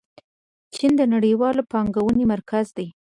چین د نړیوالې پانګونې مرکز دی.